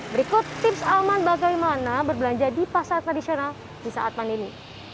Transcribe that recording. berikut tips aman bagaimana berbelanja di pasar tradisional di saat pandemi